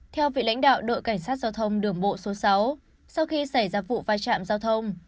theo vị lãnh đạo đội cảnh sát giao thông đường bộ số sáu sau khi xảy ra vụ vai trạm giao thông